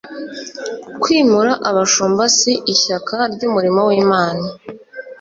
Kwimura abashumba si ishyaka ry’umurimo w’Imana